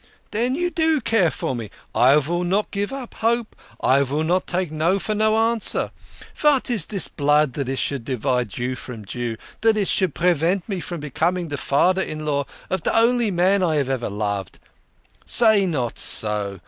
" Den you do care for me ! I vill not give up hope. I vill not take no for no answer. Vat is dis blood dat it should divide Jew from Jew, dat it should prevent me becoming de son in law of de only man I have ever loved ? Say not so.